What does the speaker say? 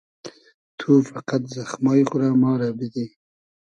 تو فئقئد زئخمای خو رۂ ما رۂ بیدی